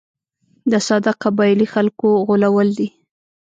د ساده قبایلي خلکو غولول دي.